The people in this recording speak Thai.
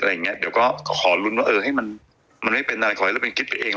เดี๋ยวก็ขอลุ้นว่าเออให้มันมันไม่เป็นอะไรขอให้เราเป็นคิดไปเอง